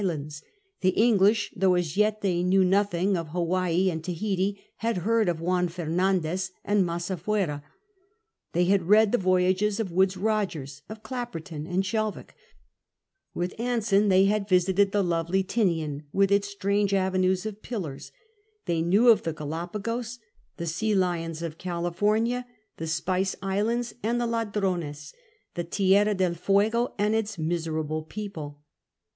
lands; the English, though as yet they knew nothing of Hawaii or Tahiti, had heard of duan Fer nandez and Masafuera ; they had read the Voyages of Woodes liogers, of Clapperton and Shelvocke; with Anson they had visited the lovely Tinian, with its strange avenues of pillars ; they knew of the Galapagos, the sea lions of California^ the Spice Islands and the IV THE SOUTHERN CONTINENT 53 Ladrones, the Ticira del Fuego and its miserable lieople.